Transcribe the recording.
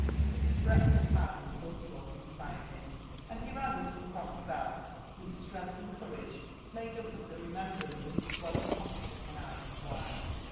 But his breakfast had in some 6or( inspired him, and he rang Mr. Crofl's bull with a streng(h and courage made up of the remembrance of his swelling pocket book and iced wine.